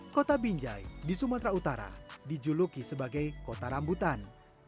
kota binjai di sumatera utara dijuluki sebagai kota rambutan